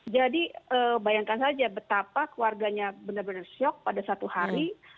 jadi bayangkan saja betapa keluarganya benar benar shock pada satu hari